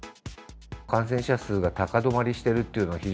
感染者数が高止まりしているいるといいます。